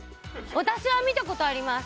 私は見たことあります